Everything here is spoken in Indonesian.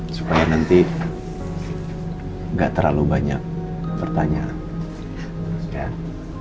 supaya nanti nggak terlalu banyak pertanyaan